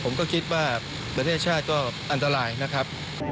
ผมก็คิดว่าประเทศชาติก็อันตรายนะครับ